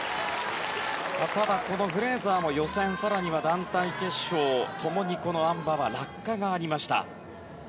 ただ、このフレーザーも予選、更には団体決勝ともにこのあん馬は落下がありました。